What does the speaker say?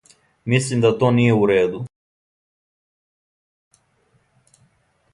Мислим да то није у реду.